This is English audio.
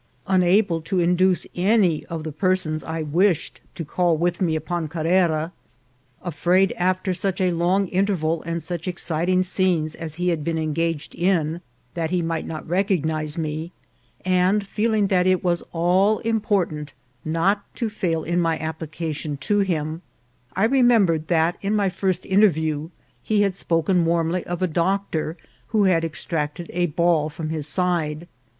Unable to induce any of the persons I wished to call with me upon Carrera ; afraid, after such a long interval and such exciting scenes as he had been engaged in, that he might not recognise me, and feeling that it was all important not to fail in my application to him, I re membered that in my first interview he had spoken warmly of a doctor who had extracted a ball from his side.